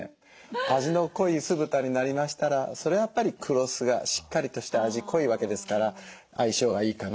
味の濃い酢豚になりましたらそれはやっぱり黒酢がしっかりとした味濃いわけですから相性がいいかなと。